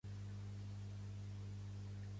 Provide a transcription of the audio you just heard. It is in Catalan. Avui m'han deixat sola fins que m'hi floreixi